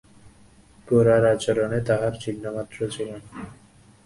গোরার আচরণে তাহার চিহ্নমাত্রও ছিল না।